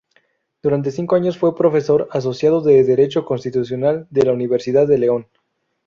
Durante cinco años fue profesor asociado de Derecho Constitucional de la Universidad de León.